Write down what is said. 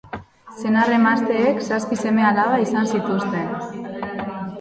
Senar-emazteek zazpi seme-alaba izan zituzten.